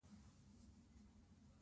سړی ګړندي روان و.